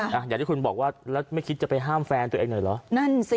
อย่างที่คุณบอกว่าแล้วไม่คิดจะไปห้ามแฟนตัวเองหน่อยเหรอนั่นสิ